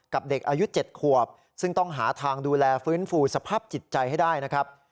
เด็กอายุ๗ขวบซึ่งต้องหาทางดูแลฟื้นฟูสภาพจิตใจให้ได้นะครับ